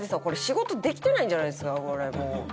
これ仕事できてないんじゃないですか？